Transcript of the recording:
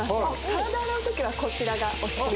体洗うときはこちらがお薦め。